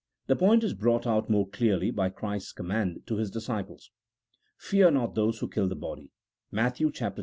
The point is brought out more clearly by Christ's command to His disciples, "Fear not those who kill the body " (Matt.